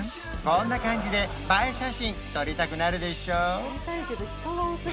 こんな感じで映え写真撮りたくなるでしょ？